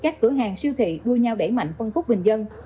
các cửa hàng siêu thị đua nhau đẩy mạnh phân khúc bình dân